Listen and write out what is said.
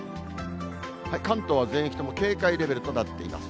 関東は全域とも警戒レベルとなっています。